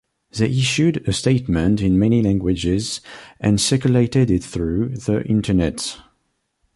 They issued a statement in many languages and circulated it through the Internet.